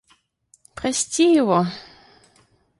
Прости его.